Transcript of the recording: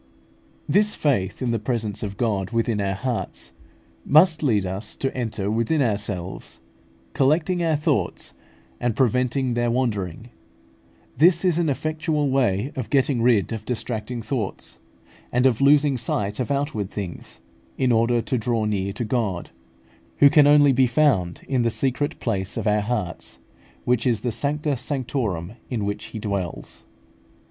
This faith in the presence of God within our hearts must lead us to enter within ourselves, collecting our thoughts, and preventing their wandering; this is an effectual way of getting rid of distracting thoughts, and of losing sight of outward things, in order to draw near to God, who can only be found in the secret place of our hearts, which is the sancta sanctorum in which He dwells.